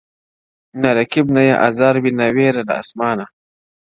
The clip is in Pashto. نه رقیب نه یې آزار وي وېره نه وي له اسمانه -